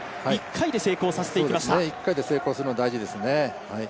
１回で成功するのが大事ですね。